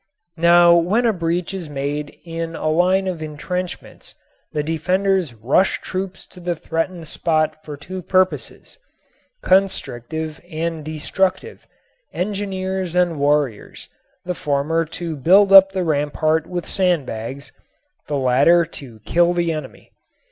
Now when a breach is made in a line of intrenchments the defenders rush troops to the threatened spot for two purposes, constructive and destructive, engineers and warriors, the former to build up the rampart with sandbags, the latter to kill the enemy.